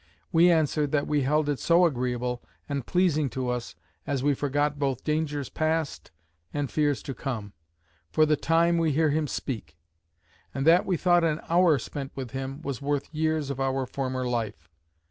We answered, "That we held it so agreeable and pleasing to us, as we forgot both dangers past and fears to come, for the time we hear him speak; and that we thought an hour spent with him, was worth years of our former life."